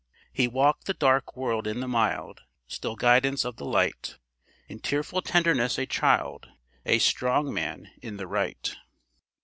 "He walked the dark world in the mild, Still guidance of the light; In tearful tenderness a child, A strong man in the right."